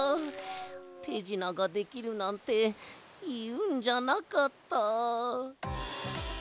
「てじなができる」なんていうんじゃなかった。